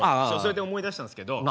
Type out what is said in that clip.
それで思い出したんですけど。